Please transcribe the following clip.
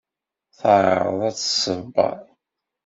Teɛreḍ ad t-tṣebber.